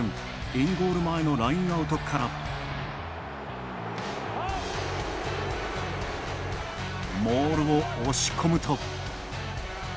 インゴール前のラインアウトからモールを押し込むと。